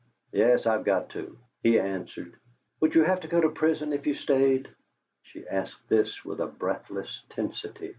"Yes, I've got to," he answered. "Would you have to go to prison if you stayed?" She asked this with a breathless tensity.